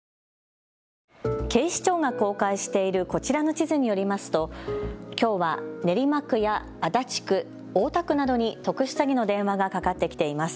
警視庁が公開しているこちらの地図によりますときょうは練馬区や足立区、大田区などに特殊詐欺の電話がかかってきています。